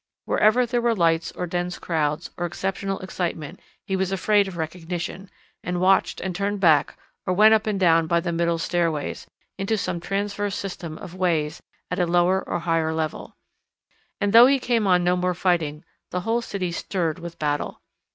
Wherever there were lights or dense crowds, or exceptional excitement, he was afraid of recognition, and watched and turned back or went up and down by the middle stairways, into some transverse system of ways at a lower or higher level. And though he came on no more fighting, the whole city stirred with battle.